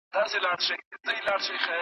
مرتد د خپل جنايت له امله مجازات کېږي.